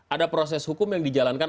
ada proses hukum yang dijalankan